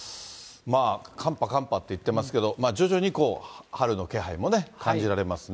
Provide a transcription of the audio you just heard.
寒波、寒波って言ってますけど、徐々に春の気配もね、感じられますね。